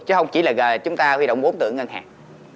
chứ không chỉ là chúng ta huy động vốn tưởng ngân hàng